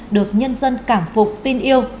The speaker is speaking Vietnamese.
được nhân dân cảm phục tin yêu